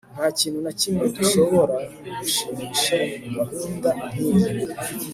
Ntakintu na kimwe dushobora gushimisha gahunda nkiyi